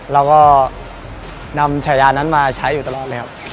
เราก็นำฉายานั้นมาใช้อยู่ตลอดเลยครับ